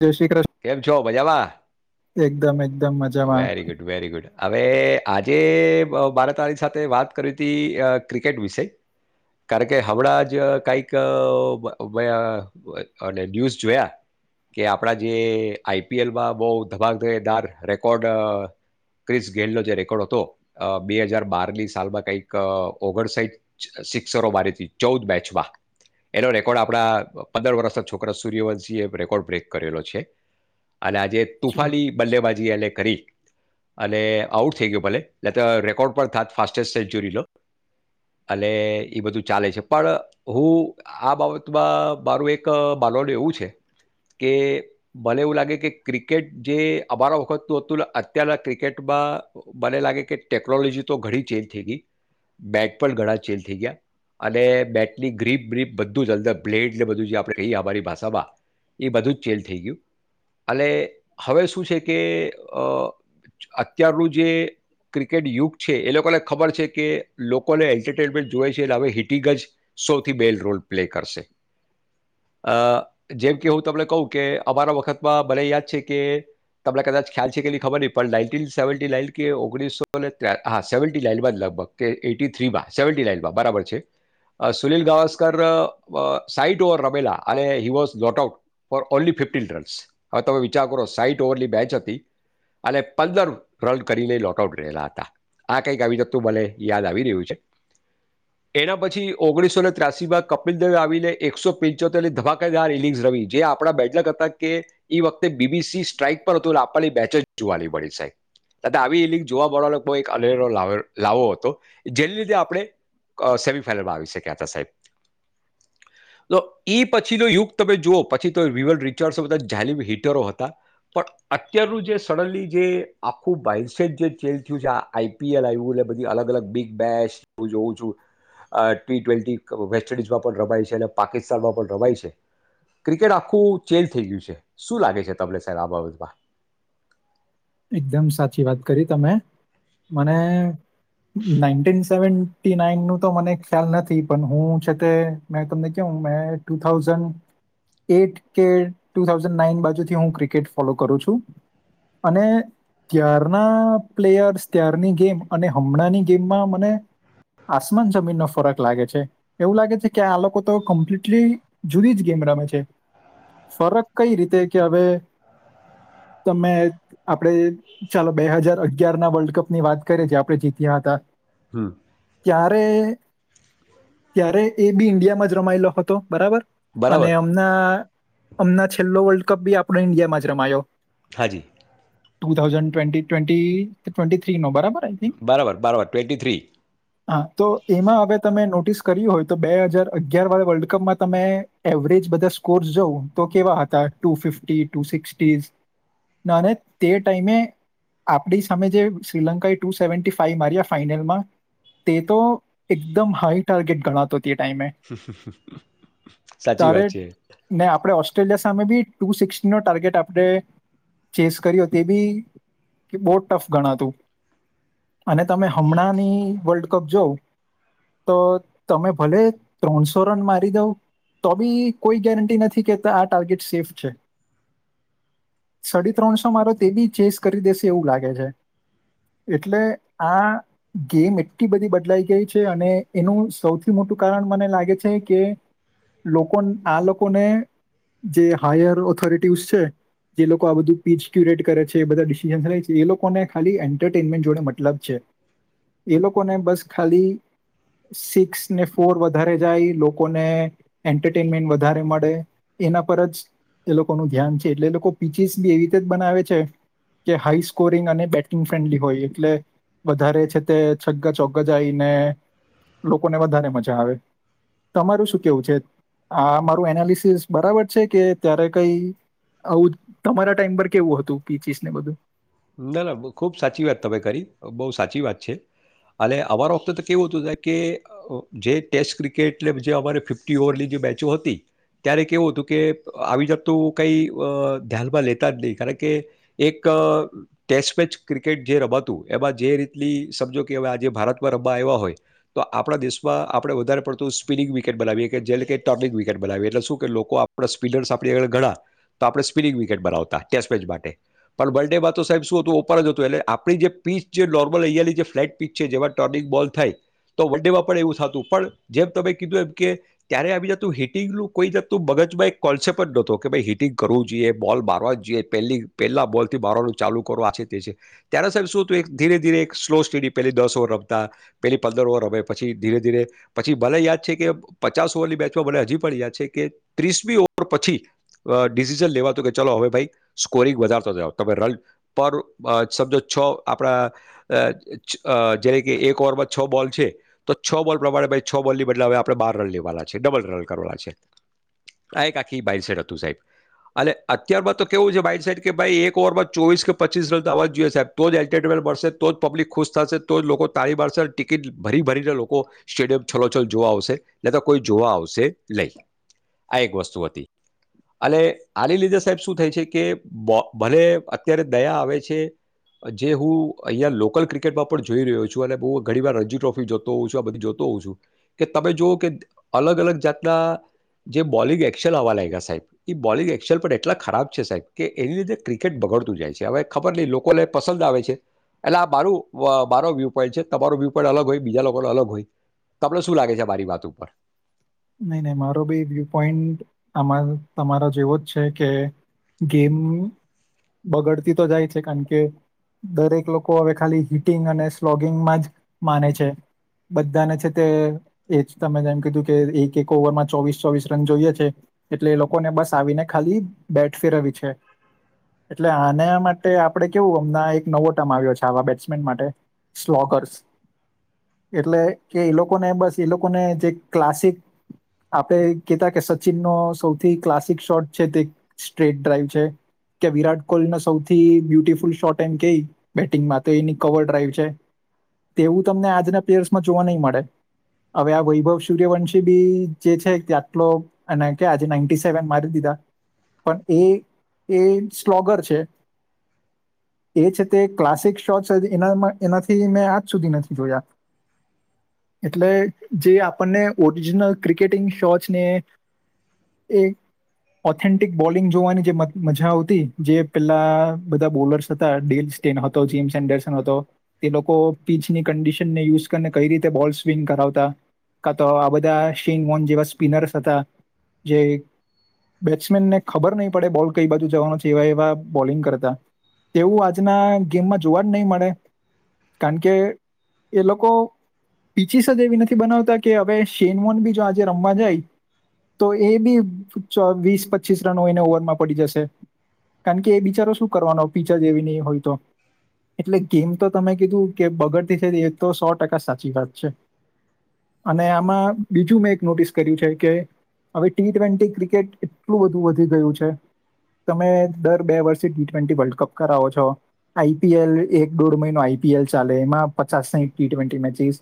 જય શ્રી કૃષ્ કેમ છો? મજામાં! મજામાં વેરી ગુડ, વેરી ગુડ, હવે આજ એ, મારે તારી સાથે વાત કરવી તી, ક્રિકેટ વિશે. કારણ કે, હમણાં જ કાઈક વ ન્યૂઝ જોયા કે આપણાં જે આઈ પી એલમાં બહુ ધમાકેદાર રેકોર્ડ ક્રિસ ગેલનો જે રેકોર્ડ હતો, બે હજાર બાર ની સાલમાં કાઈક ઓગણસાઈઠ સિક્સરો મારી હતી, ચૌદ મેચમાં, એનો રેકોર્ડ આપડાં પંદર વર્ષના છોકરા સૂર્યવંશી એ રેકોર્ડ બ્રેક કરેલો છે. અને આજે તુફાલી બલ્લેબાજ જી એને કરી, અને આઉટ થઈ ગયો ભલે, નતર રેકોર્ડ પણ થાત ફાસ્ટેસ્ટ સેન્ચયુરીનો, અને ઈ બધું ચાલે છે પણ હું આ બાબતમાં મારું એક માનવાનું એવું છે કે મને એવું લાગે કે ક્રિકેટ જે અમારા વખતનું હતું ને અત્યારના ક્રિકેટમાં મને લાગે કે ટેકનોલોજી તો ઘણી ચેન્જ થઈ ગઈ. બેટ પણ ઘણા ચેન્જ થઈ ગયા, અને બેટની ગ્રીપ બ્રીપ બધું જ અંદર પ્લેટ જે બધું જે આપણે કહીએ અમારી ભાષામાં, એ બધું જ ચેન્જ થઈ ગયું. અલે હવે શું છે કે અહ અત્યારનું જે ક્રિકેટ યુગ છે એ લોકોને ખબર છે કે લોકોને એન્ટરટેનમેન્ટ જુએ છે એટલે હવે હિટીગ જ સૌથી બેલ રોલ પ્લે કરશે, અહ જેમ કે હું તમને કહું કે અમારા વખતમાં મને યાદ છે કે તમને કદાચ ખ્યાલ છે કે નઈ ખબર નહીં પણ નાઇન્ટીન સેવન્ટી નાઈન કે ઓગણીસો ને હા સેવન્ટી નાઈન માં જ લગભગ કે એયટી થ્રીમાં, સેવન્ટી નાઈનમાં બરાબર છે, અહ સુનિલ ગાવસ્કર અહ સાઈટ ઓવર રમેલા અને he was got out for only ફીફ ફિલ્ટરસ, હવે તમે વિચાર કરો સાઈઠ ઓવરની બેચ હતી અને પંદર રન કરીને લોટ આઉટ રહેલા હતા. આ કંઈક આવી હતું મને યાદ આવી રહ્યું છે, એના પછી ઓગણીસોને ત્રયાસી માં કપિલ દવે આવીને એકસો પંચોતેરની ધમાકેદાર ઇનિંગ્સ રમી જે આપણા બેડલક કે ઈ વખતે બીબીસી સ્ટ્રાઈક પર હતું એટલે આપલી બેચ જ જોવા ની મળી સાહેબ, નહીં તો આવી ઈનીંગ જોવા મળવાનો બહુ એક એનેરો લાવે લાવો હતો, જેને લીધે આપણે અહ સેમીફાઈનલમાં આવી શક્યા હતા સાહેબ. તો ઈ પછીનો યુગ તમે જુઓ પછી તો રિવલ રિ [unintelligible] બધા જાલીમ હિટરો હતા, પણ અત્યારનું જે સડનલી જે આખું બાઇસેટ જે ચેન્જ થયું છે આ આઈપીએલ આવ્યું એટલે બધી અલગ અલગ બિગ બેચ હું જોઉં છું, અહ ટી ટ્વેન્ટી વેસ્ટન્ડિઝમાં પણ રમાય છે અને પાકિસ્તાનમાં પણ રમાય છે, ક્રિકેટ આખું ચેન્જ થઈ ગયું છે, શું લાગે છે, તમને સર આ બાબતમાં? એકદમ સાચી વાત કરી તમે. મને નાઇન્ટીન સેવન્ટી નાઈન નું તો મને ખ્યાલ નથી પણ હું છતે મેં તમને કેહું મેં ટુ થાઉઝન્ડ એટ કે ટુ થાઉઝન્ડ નાઈન બાજુથી હું ક્રિકેટ ફોલો કરું છું. અને ત્યારના પ્લેયર્સ ત્યારની ગેમ અને હમણાંની ગેમમાં મને આસમાન જમીનનો ફરક લાગે છે. એવું લાગે છે કે આ લોકો તો કમ્પ્લીટલી જુદી જ ગેમ રમે છે. ફરક કઈ રીતે કે હવે તમે આપણે ચાલો બે હજાર અગિયાર ના વર્લ્ડકપ ની વાત કરીએ જે આપણે જીત્યા હતા હમ્મ. ત્યારે-ત્યારે એ બી ઇન્ડિયામાં જ રમાયેલો હતો બરાબર. અને બરાબર અમના હમના છેલ્લો વર્લ્ડ કપ બી આપણો ઈન્ડિયામાં જ રમાયો. હાજી. ટુ થાઉઝન્ડ ટ્વેન્ટી ટ્વેન્ટી તો ટ્વેન્ટી થ્રી માં બરાબર હાજી બરાબર બરાબર ટ્વેન્ટી થ્રી હા તો એમાં હવે તમે નોટીસ કર્યું હોય તો બે હજાર અગયાર વાળા વર્લ્ડ કપમાં તમે એવરેજ બધા સ્કોર્સ જોવો તો કેવા હતા ટુ ફિફફી, ટુ સિક્સટીઝ ના અને તે ટાઈમે આપણી સામે જે શ્રીલંકાએ ટુ સેવન્ટી ફાઈવ માર્યા ફાઈનલમાં તે તો એકદમ હાઈ ટાર્ગેટ ગણાતો તે ટાઇમે સાચી ત્યારે વાત છે ને આપણે ઓસ્ટ્રેલિયા સા સામે બી ટુ સીક્સ નો ટાર્ગેટ આપણે ચેસ કર્યો તે બી કે બહુ ટફ ગણાતું અને તમે હમણાંની વર્લ્ડકપ જોઉ તો તમે ભલે ત્રણસો રન મારી દઉં તો બી કોઈ ગેરંટી નથી કેતા આ ટાર્ગેટ સેફ છે. સડી ત્રણસો મારો તે બી ચેસ કરી દેશે એવું લાગે છે એટલે આ ગેમ એટલી બધી બદલાઈ ગઈ છે અને એનું સૌથી મોટું કારણ મને લાગે છે કે લોકો આ લોકોને જે હાયર ઓથોરિટીઝ છે. જે લોકો આ બધું પીચક્યુરેટ કરે છે એ બધા ડિસિઝન્સ લે છે એ લોકોને ખાલી એન્ટરટેનમેન્ટ જોડે મતલબ છે એ લોકોને બસ ખાલી સિક્સ ને ફોર વધારે જાય લોકોને એન્ટરટેનમેન્ટ વધારે મળે એના પર જ તે લોકોનું ધ્યાન છે એટલે એ લોકો પીચીસ બી એવી રીતે જ બનાવે છે કે હાઈ સ્કોરિંગ અને બેટિંગ ફ્રેન્ડલી હોય એટલે વધારે છે તે છગ્ગા ચોગ્ગા જાય ને લોકોને વધારે મજા આવે તમારું શું કેવું છે આ મારું એનાલિસિસ બરાબર છે કે ત્યારે કઈ આવું તમારા ટાઈમ પર કેવું હતું પીચીસ ને બધું. ના ના ખૂબ સાચી વાત તમે કરી બહુ સાચી વાત છે અને અમારા વખતે તો કેવું હતું સાહેબ કે જે ટેસ્ટ ક્રિકેટ એટલે જે અમારે ફિફ્ટી ઓવરની જે બેચો હતી ત્યારે કેવું હતું કે આવી જાતનું કઈ અ ધ્યાનમાં લેતા જ નહીં કારણ કે એક ટેસ્ટ મેચ ક્રિકેટ જે રમાતું એમાં જે રીતલી સમજો કે હવે આજે ભારતમાં રમવા આવ્યા હોય તો આપણા દેશમાં આપણે વધારે પડતું સ્પિનિંગ વિકેટ બનાવીએ કે જેલીથી કે ટોપિંગ વિકેટ બનાવીએ એટલે શું કે લોકો આપણા સ્પિનર્સ આપણી આગળ ગણા તો આપણે સ્પિનિંગ વિકેટ બનાવતા ટેસ્ટ મેચ માટે પણ વર્લ્ડ ડે બાદ તો સાહેબ શું હતું ઓપન જ હતું એટલે આપણી જે પીચ જે નોર્મલ અહીંયા ની જે ફ્લેટ પીચ છે જેમાં ટર્નિંગ બોલ થાય તો વન ડેમાં પણ એવું થાતું પણ જેમ તમે કીધું એમ કે ત્યારે આવી જાતનું હિટિંગનું કોઈ જાતનું મગજમાં એક કોન્સેપ્ટ જ નોતો કે ભાઈ હિટિંગ કરવું જોઈએ બોલ મારવા જોઈએ પેલી પહેલા બોલ થી મારવાનું ચાલુ કરો આ છે તે છે ત્યારે સાહેબ શું હતું એક ધીરે ધીરે એક સ્લો સ્ટીડી પહેલી દસ ઓવર રમતા પેલી પંદર ઓવર રમે પછી ધીરે ધીરે પછી મને યાદ છે કે પચાસ ઓવરની મેચમાં મને હજી પણ યાદ છે કે ત્રીસમી ઓવર પછી અ ડિસિઝન લેવાતું કે ચલો હવે ભાઈ સ્કોરિંગ વધારતા જાવ તમે રન પર સમજો છ આપણા અ જ્યારે કે એક ઓવરમાં છ બોલ છે તો છ બોલ પ્રમાણે ભાઈ છ બોલની બદલે હવે આપણે બાર રન લેવાના છે ડબલ રન કરવાના છે આ એક આખી માઈન્ડસેટ હતું સાહેબ અને અત્યારમાં તો કેવું છે માઈન્ડસેટ કે ભાઈ એક ઓવરમાં ચોવીસ કે પચીસ રન તો આવવા જ જોઈએ સાહેબ તો જ એન્ટેન્ટ મલશે તો જ પબ્લિક ખુશ થાશે તો જ લોકો તાળી પાડશે અને ટિકિટ ભરી ભરીને લોકો સ્ટેડિયમ છલોછલ જોવા આવશે નઈ તો કોઈ જોવા આવશે નઈ આ એક વસ્તુ હતી અને આલી લીધે સાહેબ શું થાય છે કે બો ભલે અત અત્યારે દયા આવે છે જે હું અહીંયા લોકલ ક્રિકેટમાં પણ જોઈ રહ્યો છું અને બહુ ઘણી વાર રણજીત ટ્રોફી જોતો હોઉં છું આ બધું જોતો હોઉં છું કે તમે જોઓ કે અલગ અલગ જાતના જે બોલિંગ એક્સેલ આવવા લાગ્યા સાહેબ ઈ બોલિંગ એક્સેલ પણ એટલા ખરાબ છે સાહેબ કે એની લીધે ક્રિકેટ બગડત તું જાય છે હવે ખબર નઈ લોકોને પસંદ આવે છે એટલે આ મારું મારો વ્યૂ પોઈન્ટ છે તમારો વ્યુ પોઈન્ટ અલગ હોય બીજા લોકોના અલગ હોય તમને શું લાગે છે આ મારી વાત ઉપર. નહીં નહીં મારો બી વ્યુ પોઈન્ટ આમાં તમારો જેવો જ છે કે ગેમ બગડતી તો જાય છે કારણ કે દરેક લોકો હવે ખાલી હિટિંગ અને સ્લોગિંગમાં જ માને છે બધાને છે તે જ તમે જેમ કીધું કે એક એક ઓવરમાં ચોવીસ ચોવીસ રન જોઈએ છે એટલે એ લોકોને બસ આવીને ખાલી બેટ ફેરવવી છે એટલે આના માટે આપણે કેવું હમના એક નવો ટમ આવ્યો છે આવા બેટ્સમેન માટે સ્લોગર્સ એટલે કે એ લોકોને બસ એ લોકોને જે ક્લાસિક આપણે કેતા કે સચિનનો સૌથી ક્લાસિક શોટ છે તે સ્ટ્રેટ ડ્રાઈવ છે કે વિરાટ કોહલીનો સૌથી બ્યુટીફુલ શોટ એમ કઈ બેટિંગમાં તો એની કવર ડ્રાઈવ છે તેવું તમને આજના પ્લેયર્સમાં જોવા નહીં મળે હવે આ વૈભવ સૂર્યવંશી બી જે છે તે આટલો અને ક્યાં આજે નાઈનટી સેવન મારી દીધા પણ એ એ એમ સ્લોગર છે તે છે તે ક્લાસિક સો છે તે એનામાં એનાથી મેં આજ સુધી નથી જોયા એટલે જે આપ આપડને ઓરિજનલ ક્રિકેટિંગ શોચને એ ઓથેન્ટિક બોલિંગ જોવાની જે મ મજા આવતી જે પેલા બધા બોલર્સ હતા ડેલ સ્ટેન્ડ હતો, જેમ્સ એન્ડરસન હતો. તે લોકો પીચની કન્ડિશનને યુસ કરીને કઈ રીતે બોલ સ્પિન કરાવતા. કા તો આ બધા શેન વોન જેવા સ્પિનર્સ હતા. જે બેટ્સમેનને ખબર નહી પડે બોલ કઈ બાજુ જવાનો છે એવા એવા બોલિંગ કરતા, તેવું આજના ગેમમાં જોવા જ નહી મળે કારણ કે એ લોકો પિચિસ જ એવી નથી બનાવતા કે હવે શેનવોન બી જો આજે રમવા જાય તો એ બી વીસ પચીસ રન હોયને ઓવરમાં પડી જશે. કારણ કે એ બિચારો શું કરવાનો પીચ જ એવી નહીં હોય તો, એટલે ગેમ તો તમે કીધું કે બગડતી છે એ તો સો ટકા સાચી વાત છે. અને આમાં બીજું મેં એક નોટિસ કર્યું છે કે હવે ટી ટ્વેન્ટી ક્રિકેટ એટલું બધું વધી ગયું છે, તમે દર બે વર્ષે ટી ટ્વેન્ટી વર્લ્ડ કપ કરાવો છો. આઈપીએલ એક દોઢ મહિનો આઈપીએલ ચાલે એમાં પચાસ સાઈઠ ટી ટ્વેન્ટી મેચિસ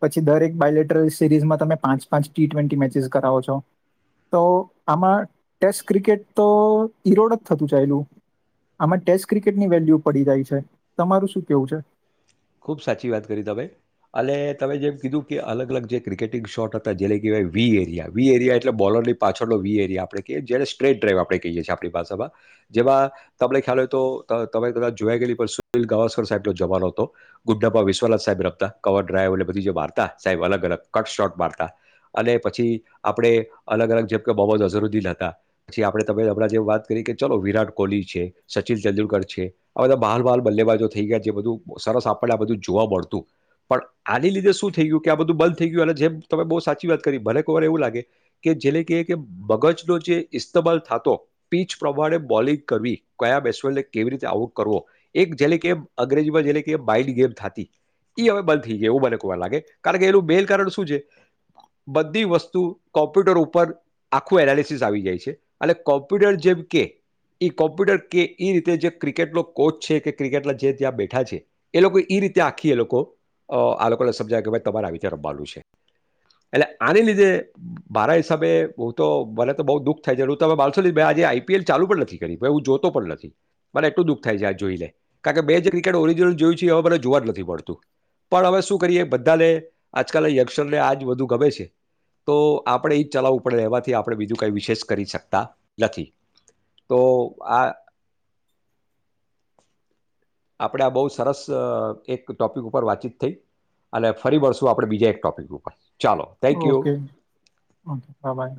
પછી દરેક બાઇલેટ ટ્રે સિરીઝમાં તમે પાંચ પાંચ ટી ટ્વેન્ટી મેચિસ કરાવો છો તો આમાં, ટેસ્ટ ક્રિકેટ તો ઈરોડ જ થતું ચાયલું આમાં ટેસ્ટ ક્રિકેટની વેલ્યુ પડી જાય છે. તમારું શું કેવું છે? ખુબ સાચી વાત કરી તમે અને તમે જેમ કીધું કે અલગ અલગ જે ક્રિકેટિંગ શોટ હતા જેને કહેવાય વી એરિયા, વી એરિયા એટલે બોલરની પાછળનો વી એરિયા આપણે કહીએ જેને સ્ટ્રેટ ડ્રાઈવ આપણે કહીએ છીએ આપણી ભાષામાં જેમાં તમને ખ્યાલ હોય તો ત તમે કદાચ જોયા ગયેલી પણ સુનિલ ગાવાસ્કર સાહેબનો જમાનો હતો. ગુડબ્બા વિશ્વનાથ સાહેબ રમતા કવર ડ્રાઈવ એટલે બધી જે વારતા સાહેબ અલગ-અલગ કટ શોટ મારતા. અને પછી આપડે અલગ-અલગ જેમ કે મહમદ અઝરુદીન હતા, પછી આપણેે તમે હમણાં જેમ વાત કરી કે ચલો વિરાટ કોહલી છે, સચિન તેંદુલકર છે આ બધા બહાલ બાલ બલ્લેબાજો થઈ ગયા જે બધું સરસ આપણને આ બધું જોવા મળતું. પણ આની લીધે શું થઈ ગયું કે આ બધું બંધ થઈ ગયું અને જેમ તમે બોવ સાચી વાત કરી મને કોવર એવું લાગે કે જેને કેયે કે મગજનો જે ઇસ્તમાલ થાતો પીચ પ્રમાણે બોલિંગ કરવી, કયા બેસવેને કેવી રીતે આઉટ કરવો એક જેલે કે અંગ્રેજીમાં જેને એ માઈન્ડ ગેમ થાતી. ઈ હવે બંધ થઈ ગયુ એવું મને કો વાર લાગે. કારણ કે એનું મેન કારણ શું છે બધી વસ્તુ કોમ્પ્યુટર ઉપર આખું એનાલિસિસ આવી જાય છે અને કોમ્પ્યુટર જેમ કે ઈ કોમ્પ્યુટર કે ઈ રીતે જે ક્રિકેટનો કોચ છે કે ક્રિકેટના જે ત્યાં બેઠા છે એ લોકો ઈ રીતે આખી એ લોકો અ આ લોકોને સમજાવે કે ભાઈ તમારે આવી રીતે રમવાનું છે. એટલે આની લીધે મારા હિસાબે હું તો મને તો બોવ દુઃખ થાય છે હું તમે માલશો નય મેં આજે આઈ પી એલ ચાલુ પણ નથી કરી ભય હું જોતો પણ નથી મને એટલું દુખ થાય છે આ જોઈને. કારણ કે બે જે ક્રિકેટ ઓરિજિનલ જોયું છે હવે મને જોવા જ નથી મળતું. પણ હવે શું કરીએ બધાને આજકાલના યંગસ્ટરને આજ બધુ ગમે છે તો આપણે ઈ જ ચલાવવું પડે એમાથી આપણે બીજું કઈ વિશેષ કરી શકતા નથી. તો આ આપણે આ બોવ સરસ અ એક ટોપિક ઉપર વાતચીત થઈ અને ફરી વળશું આપડણે બીજા એક ટોપિક ઉપર. ચાલો થેન્ક યુ ઓકે, ઓકે, બ બાય.